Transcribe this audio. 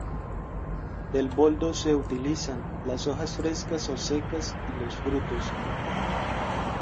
Del boldo se utilizan: las hojas frescas o secas y los frutos.